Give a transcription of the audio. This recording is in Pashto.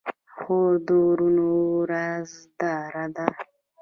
خور د ورور رازدار ده.